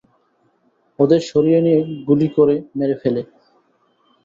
ওদের সরিয়ে নিয়ে গুলি করে মেরে ফেলে।